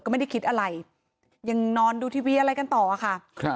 ก็ไม่ได้คิดอะไรยังนอนดูทีวีอะไรกันต่อค่ะ